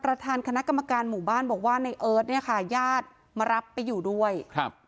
ประธานคณะกรรมการหมู่บ้านบอกว่าในเอิร์ทเนี่ยค่ะญาติมารับไปอยู่ด้วยครับ